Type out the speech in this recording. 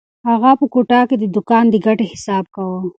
اغا په کوټه کې د دوکان د ګټې حساب کاوه.